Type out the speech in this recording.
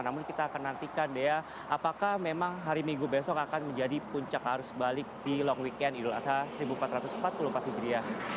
namun kita akan nantikan dea apakah memang hari minggu besok akan menjadi puncak arus balik di long weekend idul adha seribu empat ratus empat puluh empat hijriah